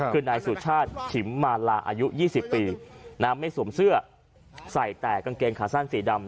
คือนายสุชาติฉิมมาลาอายุ๒๐ปีไม่สวมเสื้อใส่แต่กางเกงขาสั้นสีดำ